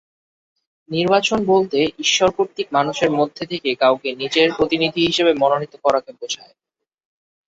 নির্বাচন বলতে ঈশ্বর কর্তৃক মানুষের মধ্য থেকে কাউকে নিজের প্রতিনিধি হিসেবে মনোনীত করাকে বোঝায়।